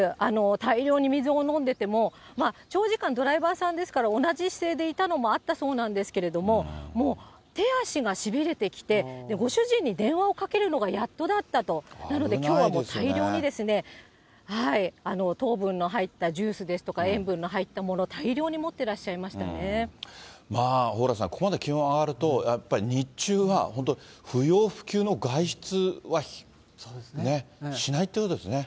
大量に水を飲んでいても、長時間、ドライバーさんですから、同じ姿勢でいたのもあったそうなんですが、もう手足がしびれてきて、ご主人に電話をかけるのがやっとだったと、なのできょうは大量に糖分の入ったジュースですとか、塩分の入ったもの、まあ蓬莱さん、ここまで気温上がると、やっぱり日中は、本当、不要不急の外出はしないということですね。